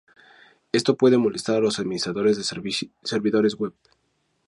Esto puede molestar a los administradores de servidores web.